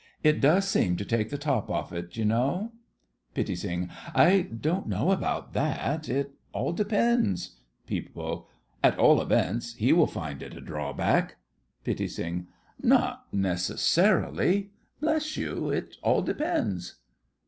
It does seem to take the top off it, you know. PITTI. I don't know about that. It all depends! PEEP. At all events, he will find it a drawback. PITTI. Not necessarily. Bless you, it all depends!